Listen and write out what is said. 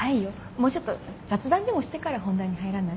もうちょっと雑談でもしてから本題に入らない？